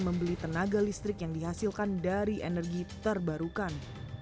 membeli tenaga listrik yang dihasilkan dari energi terbarukan